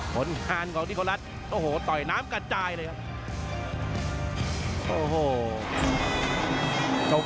ผลงานของนิโครัฐโอ้โหต่อยน้ำกระจายเลยครับ